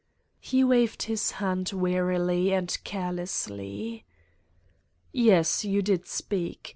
" He waved his hand wearily and carelessly. "Yes, you did speak.